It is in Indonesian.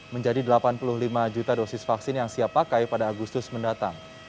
menjadi delapan puluh lima juta dosis vaksin yang siap pakai pada agustus mendatang